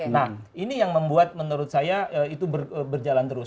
nah ini yang membuat menurut saya itu berjalan terus